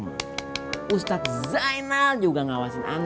mau kum ukum kaya sekali nggak mau tetep nggak mau gue